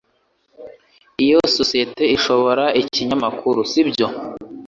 Iyo sosiyete isohora ikinyamakuru, sibyo?